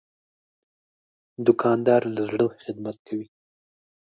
دوکاندار له زړه خدمت کوي.